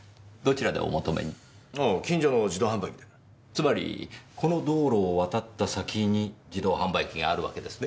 つまりこの道路を渡った先に自動販売機があるわけですね？